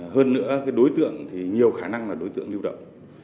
hơn nữa đối tượng thì nhiều khả năng là đối tượng lưu động